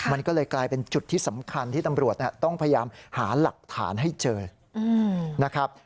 มันก็เลยกลายเป็นจุดที่สำคัญที่ตำรวจต้องพยายามหาหลักฐานให้เจอนะครับ